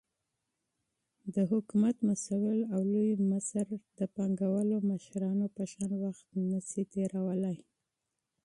دحكومت مسؤل او لوى مشر دپانگوالو مشرانو په شان وخت نسي تيرولاى،